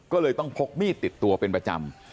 ก็เลยต้องพกมีดติดตัวเป็นประจำ